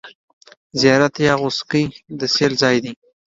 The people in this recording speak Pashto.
زیارت یا غوڅکۍ د سېل ځای دی.